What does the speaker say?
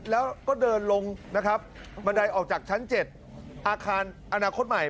แล้วก็เดินลงนะครับบันไดออกจากชั้น๗อาคารอนาคตใหม่